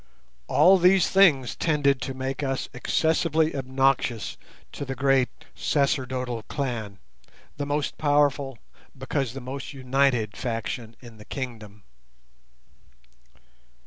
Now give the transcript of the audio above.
All these things tended to make us excessively obnoxious to the great sacerdotal clan, the most powerful because the most united faction in the kingdom.